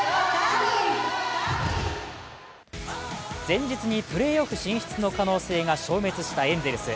前日にプレーオフ進出の可能性が消滅したエンゼルス。